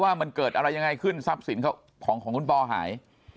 ว่ามันเกิดอะไงขึ้นทรัพย์สินของขุนปหาย